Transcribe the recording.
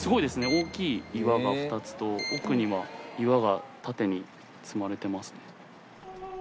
大きい岩が２つと奥には岩が縦に積まれてますね。